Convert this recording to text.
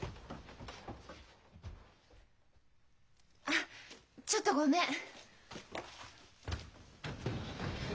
あっちょっとごめん！